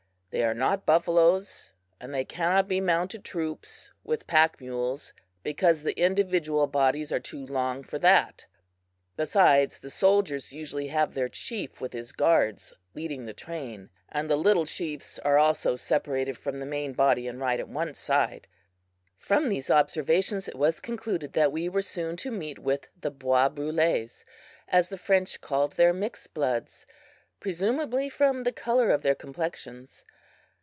They are not buffaloes, and they cannot be mounted troops, with pack mules, because the individual bodies are too long for that. Besides, the soldiers usually have their chief, with his guards, leading the train; and the little chiefs are also separated from the main body and ride at one side!" From these observations it was concluded that we were soon to meet with the bois brules, as the French call their mixed bloods, presumably from the color of their complexions.